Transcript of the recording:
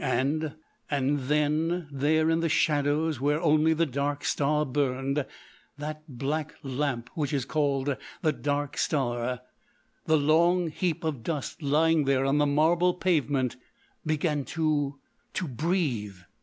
And—and then, there in the shadows where only the Dark Star burned—that black lamp which is called the Dark Star—the long heap of dust lying there on the marble pavement began to—to breathe!